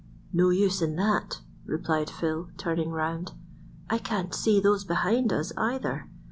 "] "No use in that," replied Phil, turning round. "I can't see those behind us either.